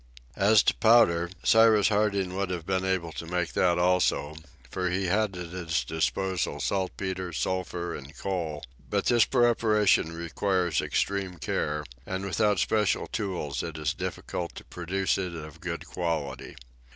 As to powder, Cyrus Harding would have been able to make that also, for he had at his disposal saltpeter, sulphur, and coal; but this preparation requires extreme care, and without special tools it is difficult to produce it of a good quality.